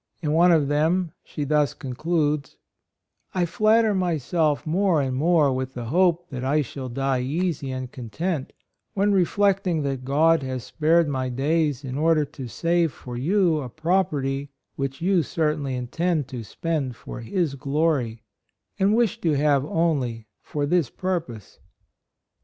In one of them she thus con cludes : "I flatter myself more and more with the hope that I shall die easy and content, when reflecting that God has spared my days in order to save for you a property which you certainly intend to spend for His glory, and wish to have only for this purpose." EUSSIAN DECREE.